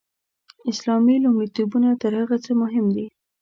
اسلامي لومړیتوبونه تر هر څه مهم دي.